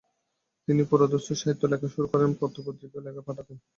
তিনি পুরোদুস্তর সাহিত্য লেখা শুরু করেন এবং পত্র-পত্রিকায়ও লেখা পাঠাতেন।